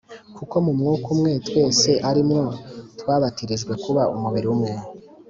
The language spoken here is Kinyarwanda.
kuko mu Mwuka umwe twese ari mwo twabatirijwe kuba umubiri umwe,